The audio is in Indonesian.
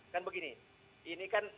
kan begini ini kan